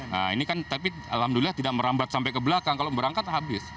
nah ini kan tapi alhamdulillah tidak merambat sampai ke belakang kalau berangkat habis